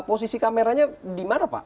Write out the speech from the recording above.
posisi kameranya di mana pak